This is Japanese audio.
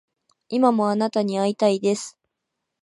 今もあなたに逢いたいです